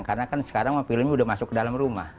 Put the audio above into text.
karena kan sekarang filmnya sudah masuk ke dalam rumah